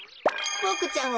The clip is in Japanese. ボクちゃん